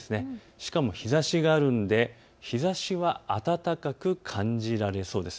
しかも日ざしがあるので日ざしは暖かく感じられそうです。